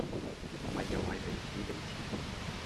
咪又係彼此彼此